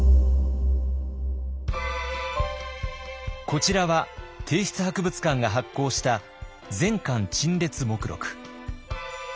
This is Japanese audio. こちらは帝室博物館が発行した「全館陳列目録」。